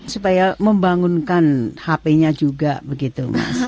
supaya membangunkan hp nya juga begitu